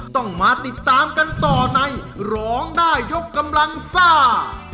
ต้องมาติดตามกันต่อในร้องได้ยกกำลังซ่า